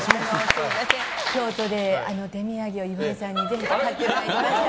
京都で、手土産を岩井さんにぜひと買ってまいりました。